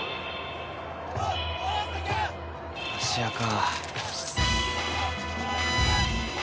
芦屋か。